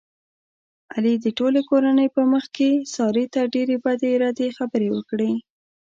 علي د ټولې کورنۍ په مخ کې سارې ته ډېرې بدې ردې خبرې وکړلې.